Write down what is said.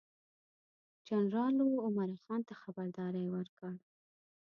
جنرال لو عمرا خان ته خبرداری ورکړ.